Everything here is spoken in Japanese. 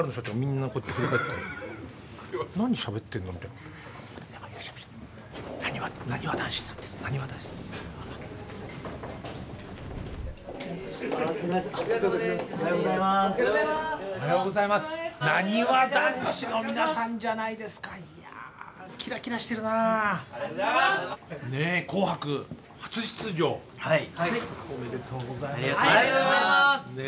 ありがとうございます。